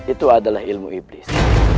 itu adalah ilmu iblis